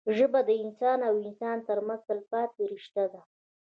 ژبه د انسان او انسان ترمنځ تلپاتې رشته ده